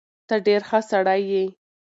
ته ډېر ښه سړی یې.